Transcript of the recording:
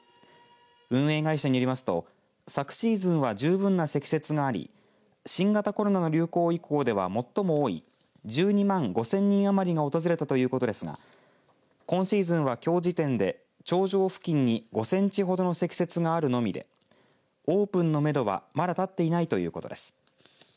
運営会社によりますと昨シーズンは十分な積雪があり新型コロナの流行以降では最も多い１２万５０００人余りが訪れたということですが今シーズンはきょう時点で頂上付近に５センチほどの積雪があるのみでオープンのめどは、まだ立っていないということです。